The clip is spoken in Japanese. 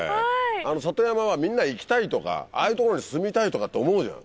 里山はみんな行きたいとかああいう所に住みたいとかって思うじゃん。